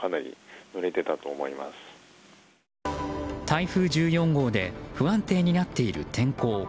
台風１４号で不安定になっている天候。